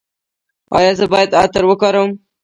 ایا زه باید عطر وکاروم؟